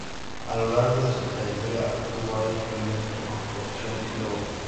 A lo largo de su trayectoria obtuvo varios premios en composición y logros.